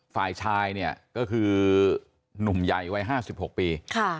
ฝ่ายชายเนี่ยก็คือหนุ่มใหญ่วัย๕๖ปี